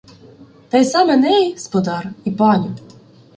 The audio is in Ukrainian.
Та й сам Еней, сподар, і паню